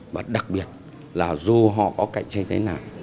và đặc biệt là dù họ có cạnh tranh thế nào